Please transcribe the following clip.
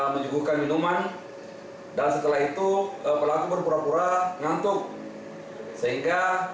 menyuguhkan minuman dan setelah itu pelaku berpura pura ngantuk sehingga